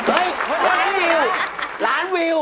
อาหารวิวอาหารวิว